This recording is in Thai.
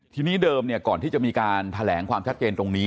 ทีนี้เดิมก่อนที่จะมีการแถลงความชัดเจนตรงนี้